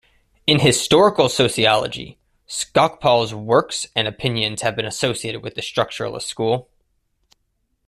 In historical sociology, Skocpol's works and opinions have been associated with the structuralist school.